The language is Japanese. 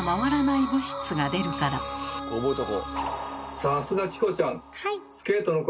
さすがチコちゃん！